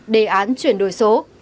đề án chuyển đổi số